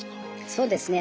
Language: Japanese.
そうですね。